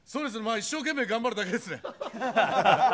一生懸命頑張るだけですね。